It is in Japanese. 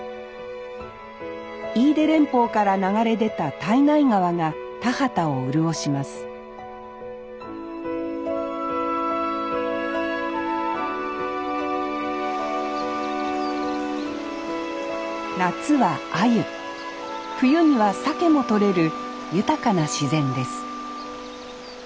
飯豊連峰から流れ出た胎内川が田畑を潤します夏はアユ冬にはサケも取れる豊かな自然です